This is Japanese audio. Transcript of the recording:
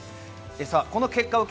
この結果を受け